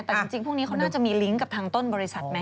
แต่จริงพวกนี้เขาน่าจะมีลิงก์กับทางต้นบริษัทไหม